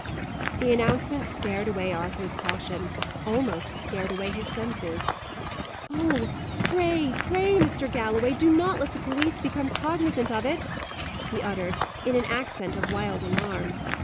The announcement scared away Arthur's caution; almost scared away his senses. "Oh! pray, pray, Mr. Galloway, do not let the police become cognizant of it!" he uttered, in an accent of wild alarm.